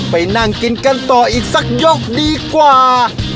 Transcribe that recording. ไปนั่งกินกันต่ออีกสักยกดีกว่า